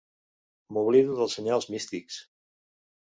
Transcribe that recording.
M'oblido dels senyals místics.